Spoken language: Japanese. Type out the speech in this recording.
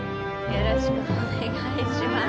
よろしくお願いします